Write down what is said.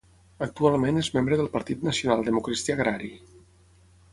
Actualment és membre del Partit Nacional Democristià Agrari.